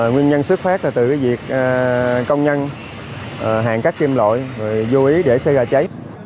nguyên nhân xuất phát từ việc công nhân hàng cắt kim loại vô ý để xây ra cháy